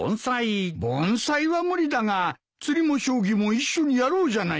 盆栽は無理だが釣りも将棋も一緒にやろうじゃないか。